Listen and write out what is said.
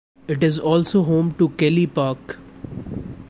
It is also home to Kelly Park.